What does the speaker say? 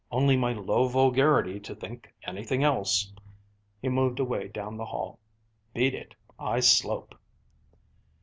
Only my low vulgarity to think anything else!" He moved away down the hall. "Beat it! I slope!"